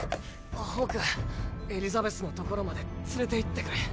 ホークエリザベスのところまで連れていってくれ。